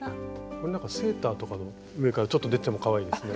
これなんかセーターとかでも上からちょっと出てもかわいいですね。